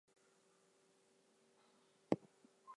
Many families hold a celebration of life party instead of a funeral.